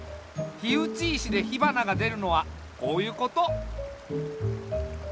火打ち石で火花がでるのはこういうこと。